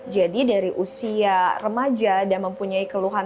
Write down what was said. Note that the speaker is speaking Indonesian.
jadi dari usia remaja dan mempunyai keluhan terang